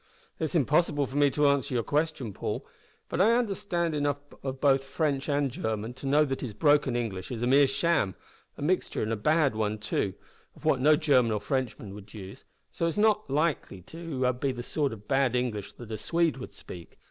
"It is impossible for me to answer your question, Paul, but I understand enough of both French and German to know that his broken English is a mere sham a mixture, and a bad one too, of what no German or Frenchman would use so it's not likely to be the sort of bad English that a Swede would speak.